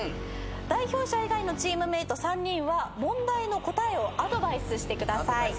代表者以外のチームメート３人は問題の答えをアドバイスしてください。